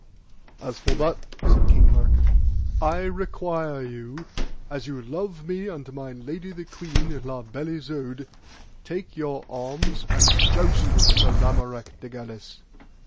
As for that, said King Mark, I require you, as ye love me and my lady the queen, La Beale Isoud, take your arms and joust with Sir Lamorak de Galis.